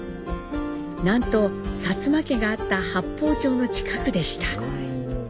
なんと薩摩家があった八峰町の近くでした。